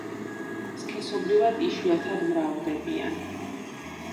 სქესობრივად იშვიათად მრავლდებიან.